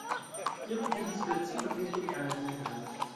Li okupiĝis precipe pri vulkanaj mineraloj.